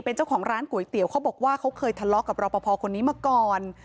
เป็นเจ้าของร้านก๋วยเตี๋ยวเขาบอกว่าเขาเคยทะเลาะกับรอปภคนนี้มาก่อน